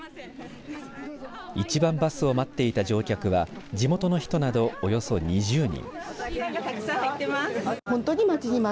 一番バスを待っていた乗客は地元の人などおよそ２０人。